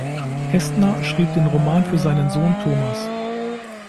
Kästner schrieb den Roman für seinen Sohn Thomas.